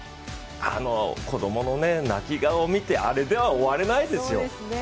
あの子供の泣き顔を見て、あれでは終われないですよ。